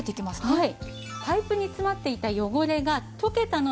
はい。